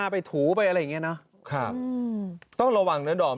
ไปถูไปอะไรอย่างงี้นะครับ